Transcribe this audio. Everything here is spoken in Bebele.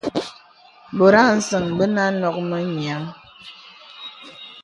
Bɔ̀t a nsə̀ŋ bə a nok mə nyìəŋ.